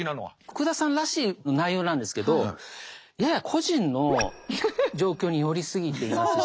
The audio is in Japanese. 福田さんらしい内容なんですけどやや個人の状況によりすぎていますし。